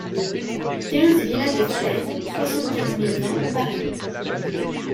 quinze villa des Falaises, soixante-quinze mille vingt Paris